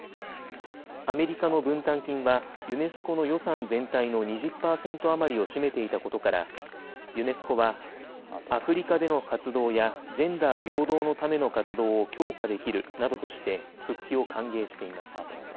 アメリカの分担金はユネスコの予算全体の２０％余りを占めていたことからユネスコはアフリカでの活動やジェンダー平等のための活動を強化できるなどとして復帰を歓迎しています。